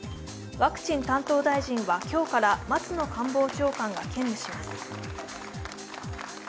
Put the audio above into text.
ワクチン担当大臣は今日から松野官房長官が兼務します。